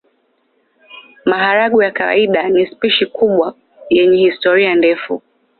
Maharagwe ya kawaida ni spishi kubwa yenye historia ndefu.